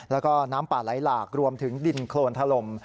แล้วก็น้ำป่าไหลหลากรวมถึงดินโครนถล่ม